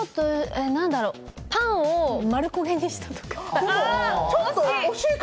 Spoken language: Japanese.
パンを丸焦げにしたとか？